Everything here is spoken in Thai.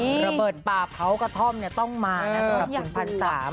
ระเบิดป่าเผ้ากระท่อมต้องมานะครับคุณพันธุ์๓